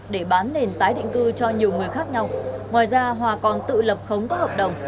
để bán nền tái định cư cho nhiều người khác nhau ngoài ra hòa còn tự lập khống các hợp đồng